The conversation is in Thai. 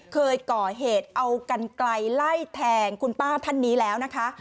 เคยก่อเหตุเอากันไกลไล่แทงคุณป้าท่านนี้แล้วนะคะ